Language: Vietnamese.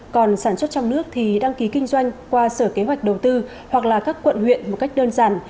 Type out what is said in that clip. còn sản xuất trong nước thì đăng ký kinh doanh qua sở kế hoạch đầu tư hoặc là các quận huyện một cách đơn giản